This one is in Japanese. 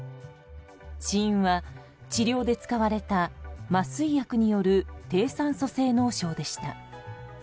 死因は治療で使われた麻酔薬による低酸素性脳症でした。